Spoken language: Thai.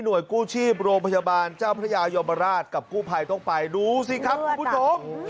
กู้ชีพโรงพยาบาลเจ้าพระยายมราชกับกู้ภัยต้องไปดูสิครับคุณผู้ชม